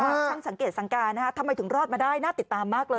ช่างสังเกตสังการนะฮะทำไมถึงรอดมาได้น่าติดตามมากเลย